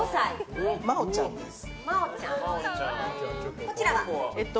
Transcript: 眞雄ちゃんです。